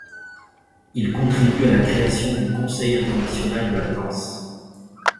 Il contribue à la création du Conseil International de la Danse.